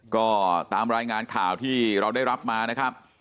ก็ตามรายงานข่าวที่เราได้รับมานะครับ